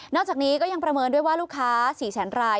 นอกจากนี้ก็ยังประเมินด้วยว่าลูกค้า๔๐๐๐๐๐ลาย